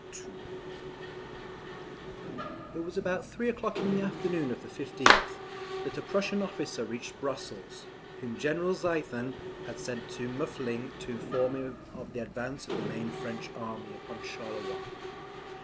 ] It was about three o'clock in the afternoon of the 15th, that a Prussian officer reached Brussels, whom General Ziethen had sent to Muffling to inform him of the advance of the main French army upon Charleroi.